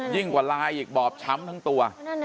ยิ่งกว่าลายอีกบอบช้ำทั้งตัว